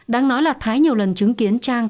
đáng nói là thái nhiều lần chứng kiến trang